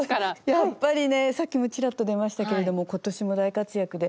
やっぱりねさっきもチラッと出ましたけれどもことしも大活躍で。